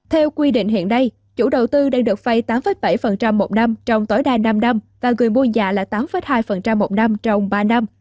theo quy định hiện nay chủ đầu tư đang được vay tám bảy một năm trong tối đa năm năm và người mua nhà là tám hai một năm trong ba năm